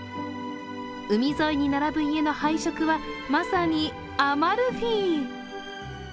海沿いに並ぶ家の配色は、まさにアマルフィ。